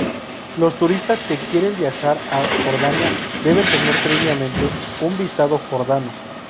Los turistas que quieren viajar a Jordania deben tener previamente un visado jordano.